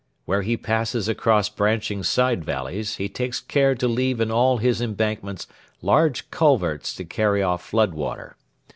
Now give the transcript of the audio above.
Where he passes across branching side valleys, he takes care to leave in all his embankments large culverts to carry off flood water.